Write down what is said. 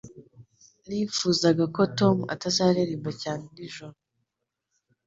Nifuzaga ko Tom atazaririmba cyane nijoro.